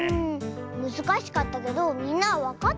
むずかしかったけどみんなはわかった？